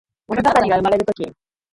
ものがたりがうまれるとき